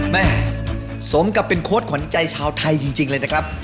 แม่สมกับเป็นโค้ดขวัญใจชาวไทยจริงเลยนะครับ